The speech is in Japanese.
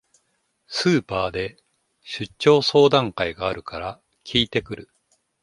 スーパーで出張相談会があるから聞いてくる